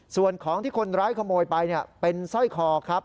ส่วนของที่คนร้ายขโมยไปเป็นสร้อยคอครับ